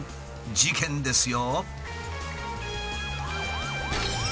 事件ですよ。